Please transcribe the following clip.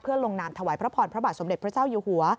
ลงนามถวายพระพรพระบาทสมเด็จพระเจ้าอยู่หัว